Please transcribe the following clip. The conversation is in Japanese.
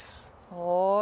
はい。